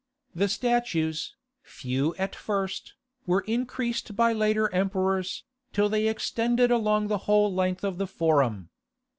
The statues, few at first, were increased by later emperors, till they extended along the whole length of the forum.